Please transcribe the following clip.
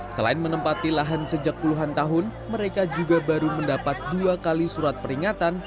selain menempati lahan sejak puluhan tahun mereka juga baru mendapat dua kali surat peringatan